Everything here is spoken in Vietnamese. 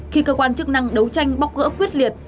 khi cơ quan chức năng đấu tranh bóc gỡ quyết liệt